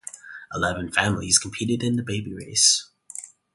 Eleven families competed in the baby race.